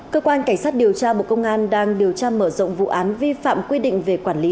cơ quan cảnh sát điều tra bộ công an đang điều tra mở rộng vụ án vi phạm quy định về quản lý